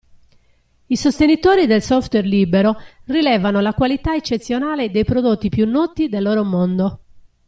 I sostenitori del software libero rilevano la qualità eccezionale dei prodotti più noti del loro mondo.